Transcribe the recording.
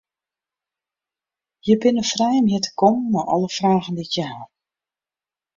Je binne frij om hjir te kommen mei alle fragen dy't je ha.